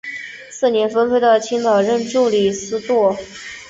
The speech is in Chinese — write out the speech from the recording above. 次年分配到青岛任助理司铎。